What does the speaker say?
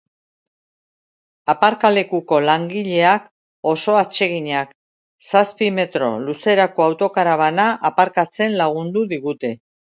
Aparkalekuko langileak oso atseginak. Zazpi metro luzerako autokarabana aparkatzen lagundu digute.